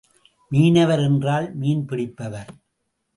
மீனவர் என்றால் மீன் பிடிப்பவர்.